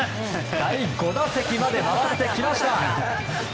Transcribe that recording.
第５打席まで回ってきました。